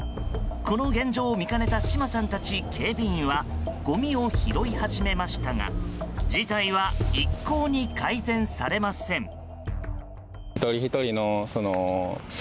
この現状を見かねた島さんたち警備員はごみを拾い始めましたが事態は一向に改善されません。